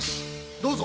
どうぞ。